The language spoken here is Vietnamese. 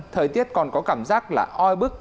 thời tiết còn có cảm giác là oi bức